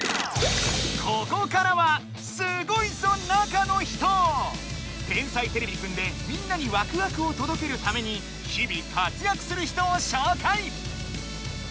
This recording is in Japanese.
ここからは「天才てれびくん」でみんなにワクワクをとどけるために日々活やくする人をしょうかい！